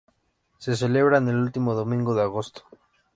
Se celebra en el último domingo de agosto.